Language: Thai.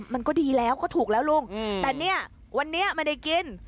มันก็ดีแล้วก็ถูกแล้วลุงแต่เนี่ยวันนี้ไม่ได้กิน